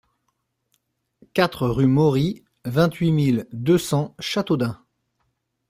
quatre rue Maury, vingt-huit mille deux cents Châteaudun